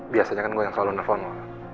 biasanya kan gue yang kalau lu telepon lah